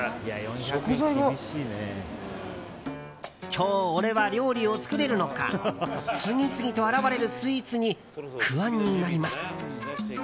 今日、俺は料理を作れるのか次々と現れるスイーツに不安になります。